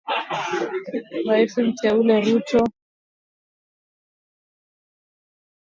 Rais mteule Ruto asema matarajio ya umma yalikuwa makubwa